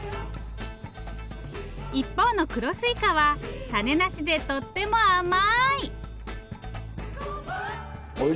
一方の黒すいかは種なしでとっても甘い！